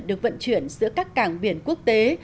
được vận chuyển giữa các cảng biển quốc tế